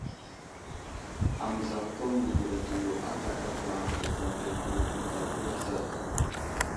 Amənzako mə mbərezl yo akadaba bəza geli ɗi tənzako aslər.